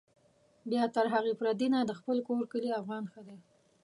بيا تر هر پردي نه، د خپل کور کلي افغان ښه دی